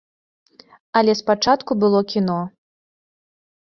Але спачатку было кіно.